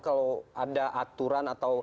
kalau ada aturan atau